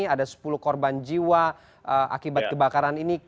ada sepuluh korban jiwa akibat kebakaran ini